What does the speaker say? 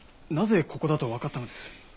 なぜここだと分かったのです？